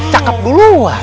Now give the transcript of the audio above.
cakap dulu wak